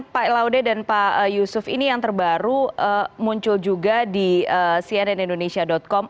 pak laude dan pak yusuf ini yang terbaru muncul juga di cnnindonesia com